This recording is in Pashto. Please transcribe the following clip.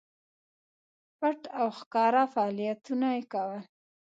پټ او ښکاره فعالیتونه کول.